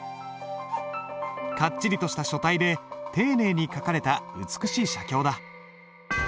かっちりとした書体で丁寧に書かれた美しい写経だ。